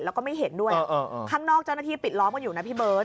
แล้วก็ไม่เห็นด้วยข้างนอกเจ้าหน้าที่ปิดล้อมกันอยู่นะพี่เบิร์ต